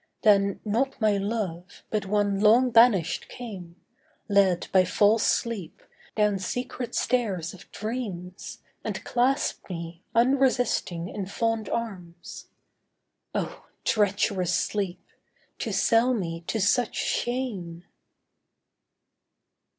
Then not my love, but one long banished came, Led by false Sleep, down secret stairs of dreams And clasped me, unresisting in fond arms. Oh, treacherous sleep—to sell me to such shame!